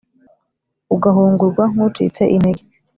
ugahungurwa nk’ucitse intege